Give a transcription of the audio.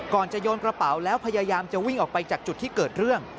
จะโยนกระเป๋าแล้วพยายามจะวิ่งออกไปจากจุดที่เกิดเรื่อง